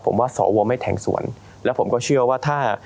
ผมว่าสวไม่แทงส่วนแล้วผมก็เชื่อว่าถ้า